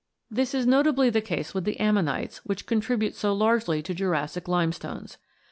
This is notably the case with the ammonites, which contribute so largely to Jurassic limestones.